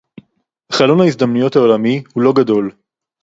חלון ההזדמנויות העולמי הוא לא גדול